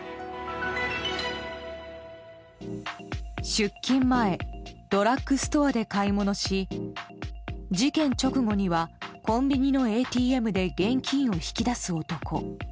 出勤前ドラッグストアで買い物し事件直後にはコンビニのＡＴＭで現金を引き出す男。